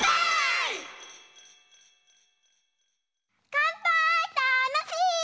かんぱーいたのしい！